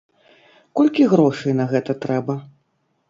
Колькі грошай на гэта трэба?